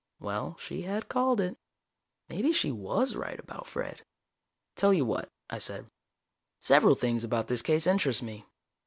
Well, she had called it. Maybe she was right about Fred. "Tell you what," I said. "Several things about this case interest me.